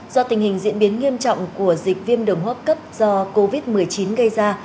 do tình hình diễn biến nghiêm trọng của dịch viêm đường hốc cấp do covid một mươi chín gây ra